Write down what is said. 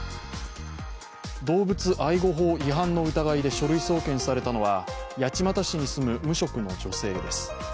動物愛護法違反の疑いで書類送検されたのは、八街市に住む無職の女性です。